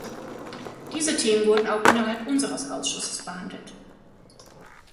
Diese Themen wurden auch innerhalb unseres Ausschusses behandelt.